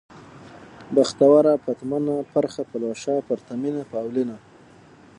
بختوره ، پتمنه ، پرخه ، پلوشه ، پرتمينه ، پاولينه